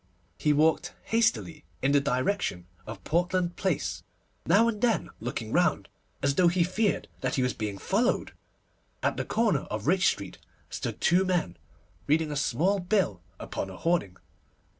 He walked hastily in the direction of Portland Place, now and then looking round, as though he feared that he was being followed. At the corner of Rich Street stood two men, reading a small bill upon a hoarding.